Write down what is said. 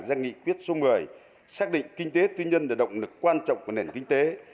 ra nghị quyết số một mươi xác định kinh tế tư nhân là động lực quan trọng của nền kinh tế